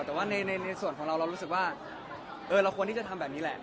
แต่ว่าในส่วนของเราเรารู้สึกว่าเราควรที่จะทำแบบนี้แหละ